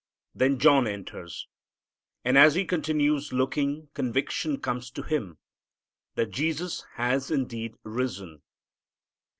Then John enters, and as he continues looking conviction comes to him that Jesus has indeed risen.